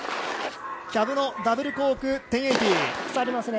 キャブのダブルコーク１０８０。